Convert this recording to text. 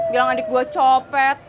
bilang adik gue copet